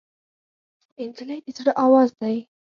نجلۍ د زړه آواز دی.